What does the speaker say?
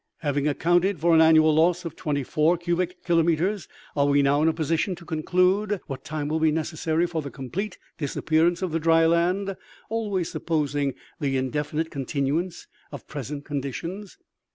" Having accounted for an annual loss of twenty four cubic kilometers, are we now in a position to conclude what time will be necessary for the complete disappear ance of the dry land, always supposing the indefinite continuance of present conditions?